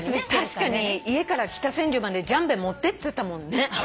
確かに家から北千住までジャンベ持ってってたもんね。ハハハ。